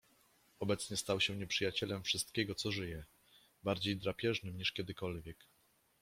Obecnie stał się nieprzyjacielem wszystkiego, co żyje, bardziej drapieżnym niż kiedykolwiek.